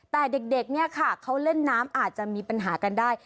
แต่เด็กเนี่ยค่ะเขาเล่นน้ำอาจจะมีปัญหากันได้